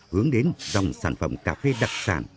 hướng đến dòng sản phẩm cà phê đặc sản